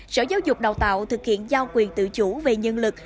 sở giáo dục đào tạo thực hiện giao quyền tự chủ về nhân lực